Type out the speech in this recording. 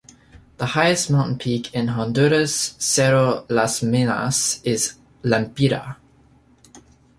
The highest mountain peak in Honduras, Cerro las Minas, is in Lempira.